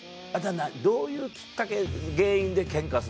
どういうきっかけ原因でケンカすんの？